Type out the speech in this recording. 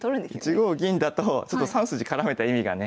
１五銀だと３筋絡めた意味がね。